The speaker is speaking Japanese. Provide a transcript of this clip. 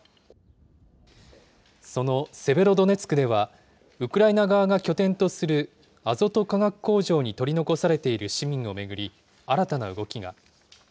そのセベロドネツクでは、ウクライナ側が拠点とするアゾト化学工場に取り残されている市民を巡り、新たな動きが。